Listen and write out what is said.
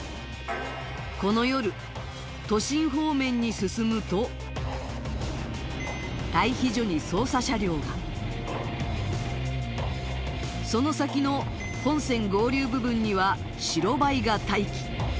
この夜待避所に捜査車両がその先の本線合流部分には白バイが待機